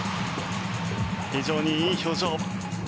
非常にいい表情。